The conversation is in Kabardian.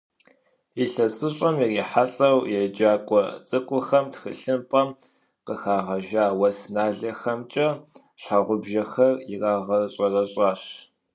Илъэсыщӏэм ирихьэлӏэу еджакӏуэ цӏыкӏухэм тхылъымпӏэм къыхагъэжа уэс налъэхэмкӏэ щхьэгъубжэхэр ирагъэщӏэрэщӏащ.